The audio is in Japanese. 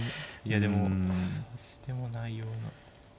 いやでも指し手もないような。